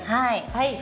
はい！